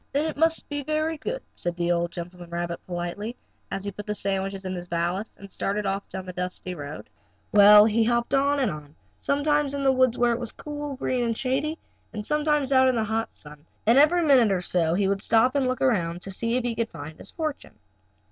"Then it must be very good," said the old gentleman rabbit politely, as he put the sandwiches in his valise and started off down the dusty road. Well, he hopped on and on, sometimes in the woods where it was cool and green and shady, and sometimes out in the hot sun, and every minute or so he would stop and look around to see if he could find his fortune.